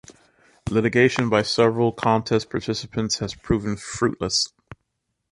Litigation by several contest participants has proven fruitless.